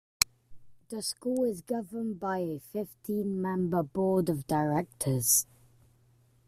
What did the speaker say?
The School is governed by a fifteen-member Board of Directors.